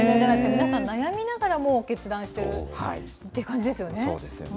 皆さん、悩みながらも決断しているという感じですよね。